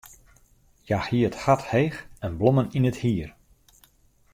Hja hie it hart heech en blommen yn it hier.